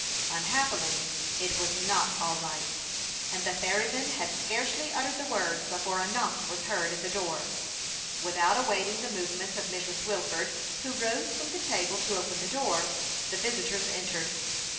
Unhappily, it was not all right ; and the ferryman had scarcely uttered the words before a knock was heard at the door. Without awaiting the movements of Mrs. Wilford, who rose from the table to open the door, the visitors entered. Mr.